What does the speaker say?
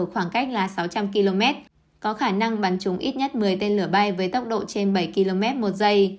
khoảng cách là sáu trăm linh km có khả năng bắn chúng ít nhất một mươi tên lửa bay với tốc độ trên bảy km một giờ